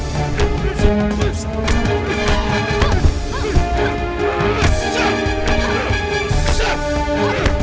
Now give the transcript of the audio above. bang kitabnya dipegang dia bang